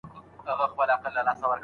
خو هغه ليونۍ وايي